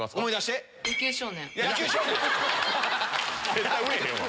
絶対売れへんわ。